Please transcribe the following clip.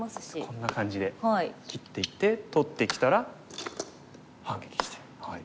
こんな感じで切っていって取ってきたら反撃して。